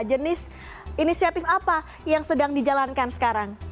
jenis inisiatif apa yang sedang dijalankan sekarang